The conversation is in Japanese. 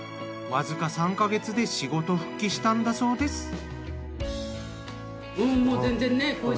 わずか３か月で仕事復帰したんだそうです。